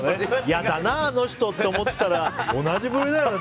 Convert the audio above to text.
嫌だな、あの人って思ってたら同じ部類だよね！